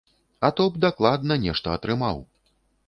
А то б дакладна нешта атрымаў.